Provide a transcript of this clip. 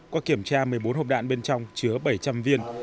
qua kiểm tra một mươi bốn hộp đạn bên trong chứa bảy trăm linh viên